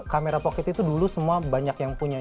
kamera pocket itu dulu semua banyak yang punya